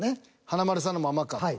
華丸さんのままか。